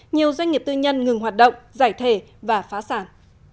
nhiều doanh nghiệp tư nhân ngừng hoạt động giải thể và phá sản